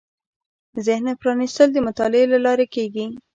ذهن پرانېستل د مطالعې له لارې کېږي